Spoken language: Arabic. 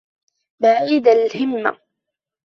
بَعِيدَ الْهِمَّةِ